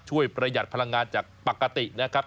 ประหยัดพลังงานจากปกตินะครับ